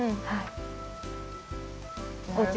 はい。